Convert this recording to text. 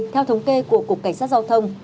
theo thống kê của cục cảnh sát giao thông